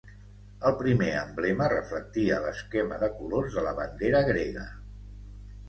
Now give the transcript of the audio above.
El primer emblema reflectia l'esquema de colors de la bandera grega.